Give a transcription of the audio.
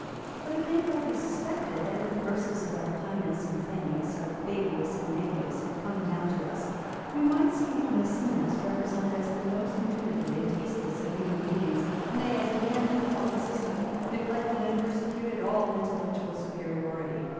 But it may well be suspected that, if the verses of Alpinus and Fannius, of Bavius and Maevius, had come down to us, we might see Maecenas represented as the most niggardly and tasteless of human beings, nay as a man who, on system, neglected and persecuted all intellectual superiority.